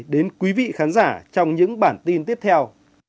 đến quý vị khán giả trong những bản tin tiếp theo